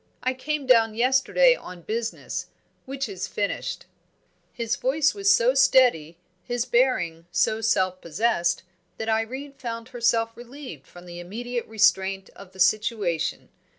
I came down yesterday on business which is finished." His voice was so steady, his bearing so self possessed, that Irene found herself relieved from the immediate restraint of the situation.